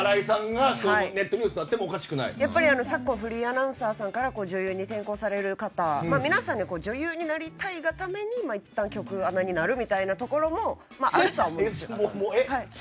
ネットニュースになっても昨今、フリーアナウンサーから女優に転向される方皆さん女優になりたいがためにいったん局アナになるみたいなところもあると思うんです。